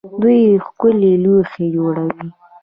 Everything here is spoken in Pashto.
دوی ښکلي لوښي جوړوي.